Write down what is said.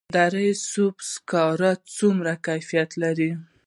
د دره صوف سکاره څومره کیفیت لري؟